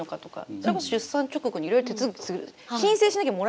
それこそ出産直後にいろいろ手続きする。